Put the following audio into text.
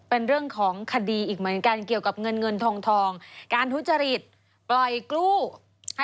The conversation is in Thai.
เป็นเรื่องของคดีอีกเหมือนกันเกี่ยวกับเงินเงินทองทองการทุจริตปล่อยกู้ให้